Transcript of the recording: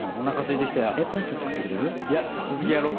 いや続きやろう。